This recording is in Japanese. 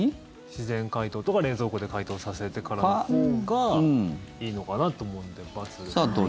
自然解凍とか冷蔵庫で解凍させてからのほうがいいのかなと思うので×。